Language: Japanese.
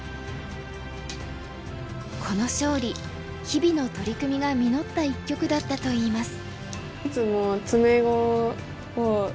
この勝利日々の取り組みが実った一局だったといいます。